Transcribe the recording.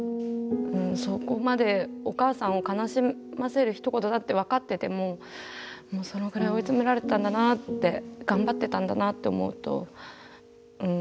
そこまでお母さんを悲しませるひと言だって分かっててももうそのぐらい追い詰められてたんだなって頑張ってたんだなって思うとうん。